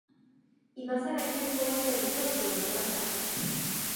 今さら流行しても商機を逃した